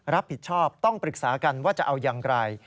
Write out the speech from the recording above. รับผิดชอบต้องปรึกษากันว่าจะเอาอย่างไร